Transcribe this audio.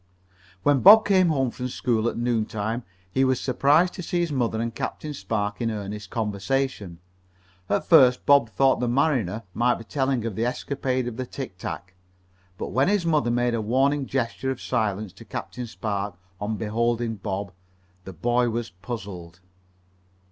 When Bob came home from school that noon time he was surprised to see his mother and Captain Spark in earnest conversation. At first Bob thought the mariner might be telling of the escapade of the tic tac, but when his mother made a warning gesture of silence to Captain Spark on beholding Bob the boy was puzzled.